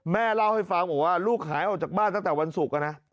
แม่เล่าให้ฟังบอกว่าลูกหายออกจากบ้านตั้งแต่วันศุกร์นะ